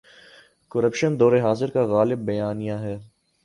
Corruption دور حاضر کا غالب بیانیہ ہے۔